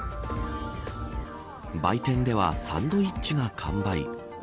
売店ではサンドイッチが完売。